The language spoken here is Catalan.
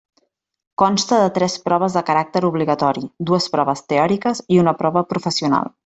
Consta de tres proves de caràcter obligatori, dues proves teòriques i una prova professional.